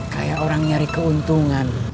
kayak orang nyari keuntungan